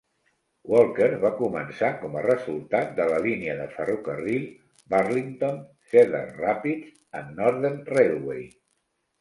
Walker va començar com a resultat de la línia de ferrocarril Burlington, Cedar Rapids and Northern Railway.